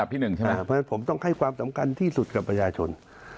เพราะฉะนั้นผมต้องให้ความสำคัญที่สุดกับประชาชน